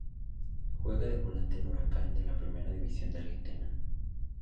Juega de volante en Huracán de la Primera División Argentina.